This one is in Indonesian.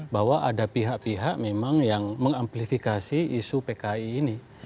bahwa ada pihak pihak memang yang mengamplifikasi isu pki ini